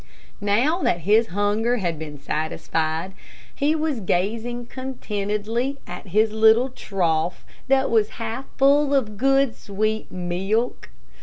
Now that his hunger had been satisfied, he was gazing contentedly at his little trough that was half full of good, sweet milk.